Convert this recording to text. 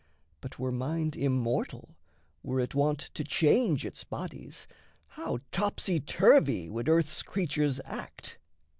But were mind Immortal, were it wont to change its bodies, How topsy turvy would earth's creatures act!